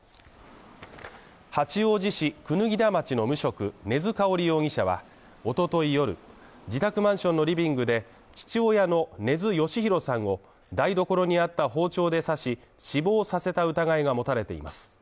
八王子市椚田町の無職根津かおり容疑者は、おととい夜、自宅マンションのリビングで、父親の根津嘉弘さんを台所にあった包丁で刺し死亡させた疑いが持たれています。